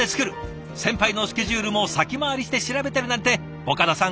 先輩のスケジュールも先回りして調べてるなんて岡田さん